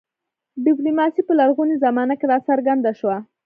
ډیپلوماسي په لرغونې زمانه کې راڅرګنده شوه